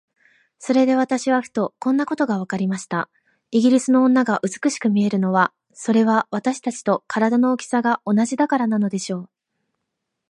それで私はふと、こんなことがわかりました。イギリスの女が美しく見えるのは、それは私たちと身体の大きさが同じだからなのでしょう。